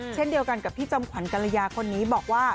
เช่นเดียวกันกับพี่จำขวัญกรยาคนนี้บอกว่า